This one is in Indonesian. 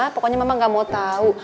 pokoknya mama gak mau tau